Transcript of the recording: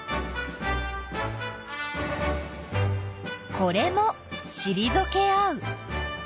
これもしりぞけ合う。